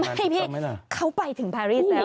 พี่เขาไปถึงพารีสแล้ว